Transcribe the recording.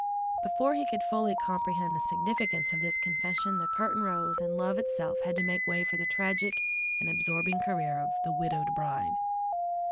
Before he could fully comprehend the significance of this confession, the curtain rose, and love itself had to make way for the tragic and absorbing career of "The Widowed Bride."